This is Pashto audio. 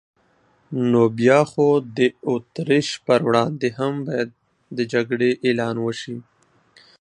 نو بیا خو د اتریش پر وړاندې هم باید د جګړې اعلان وشي.